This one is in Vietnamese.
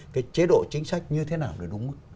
cái chế độ chính sách như thế nào được đúng